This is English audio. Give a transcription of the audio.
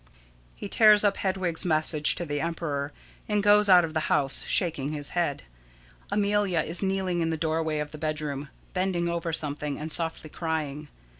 [_He tears up Hedwig's message to the emperor, and goes out of the house, shaking his head. Amelia is kneeling in the doorway of the bedroom, bending over something, and softly crying.